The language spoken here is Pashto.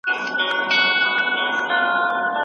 بامیان له تاریخي پلوه د هېواد زړه دی.